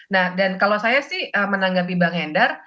nah dan kalau saya sih menanggapi bang hendar